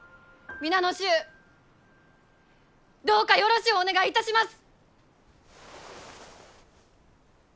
今後ともどうぞよろしゅうお願いいたします！